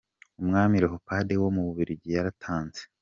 Umwami Leopold wa w’ububiligi yaratanze.